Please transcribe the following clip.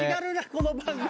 この番組。